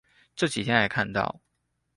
這幾天還看到